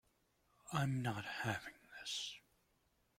I'm not having this.